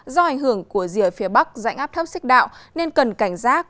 do ảnh hưởng của rìa phía bắc dãnh áp thấp xích đạo nên cần cảnh giác